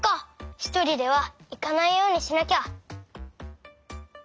ひとりではいかないようにしなきゃ。